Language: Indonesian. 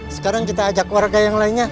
sekarang kita ajak warga yang lainnya